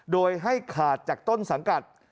โดยให้ขาดจากต้นสังกัด